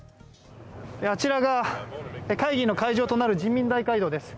あちらが会議の会場となる人民大会堂です。